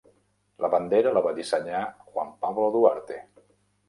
La bandera la va dissenyar Juan Pablo Duarte.